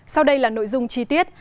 sau đây là nội dung chi tiết